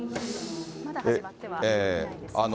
まだ始まってはいないですね。